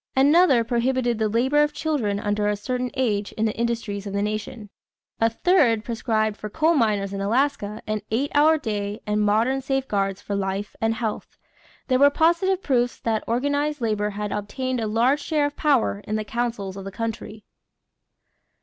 Another prohibited the labor of children under a certain age in the industries of the nation. A third prescribed for coal miners in Alaska an eight hour day and modern safeguards for life and health. There were positive proofs that organized labor had obtained a large share of power in the councils of the country.